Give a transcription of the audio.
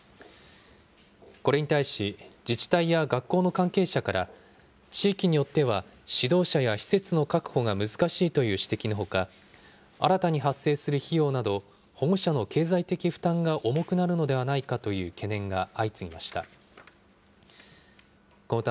これに対し、自治体や学校の関係者から、地域によっては、指導者や施設の確保が難しいという指摘のほか、新たに発生する費用など、保護者の経済的負担が重くなるのではないかという懸念が相次ぎました。